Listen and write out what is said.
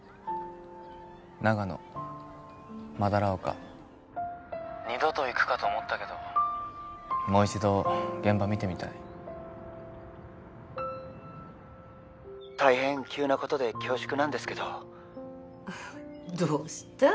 長野斑丘☎二度と行くかと思ったけどもう一度現場見てみたい☎大変急なことで恐縮なんですけどどうしたん？